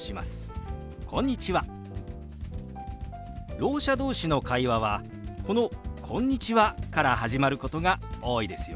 ろう者同士の会話はこの「こんにちは」から始まることが多いですよ。